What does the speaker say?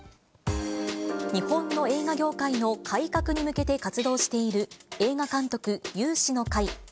日本の映画業界の改革に向けて活動している、映画監督有志の会。